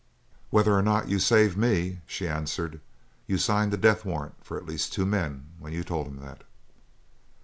"Whether or not you save me," she answered, "you signed a death warrant for at least two men when you told him that."